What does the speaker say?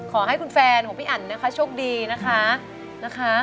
ขอให้คุณแฟนของพี่อันนะคะโชคดีนะคะนะคะ